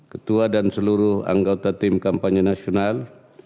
ketua dan seluruh anggota tim kampanye nasional